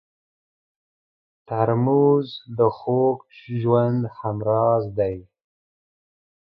ترموز د خوږ ژوند همراز دی.